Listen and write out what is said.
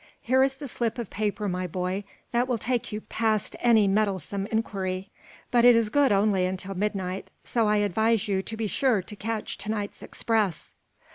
Here is the slip of paper, my boy, that will take you past any meddlesome inquiry. But it is good only until midnight, so I advise you to be sure to catch to night's express."